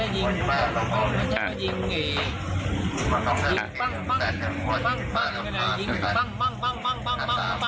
ทีนี้จากการสืบส่งของตำรวจพวกต้นเนี่ยค่ะ